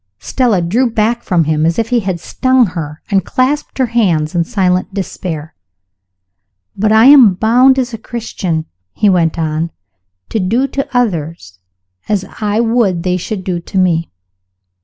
Stella drew back from him, as if he had stung her, and clasped her hands in silent despair. "But I am bound as a Christian," he went on, "to do to others as I would they should do to me."